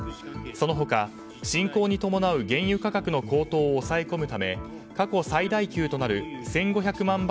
その他、侵攻に伴う原油価格の高騰を抑え込むため過去最大級となる１５００万